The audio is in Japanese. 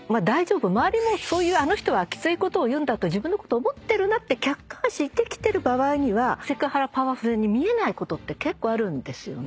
周りもあの人はきついことを言うんだと思ってるなって客観視できてる場合にはセクハラパワハラに見えないことって結構あるんですよね。